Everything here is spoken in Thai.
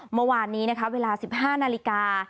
เมื่อวานนี้นะคะเวลา๑๕นาฬิกา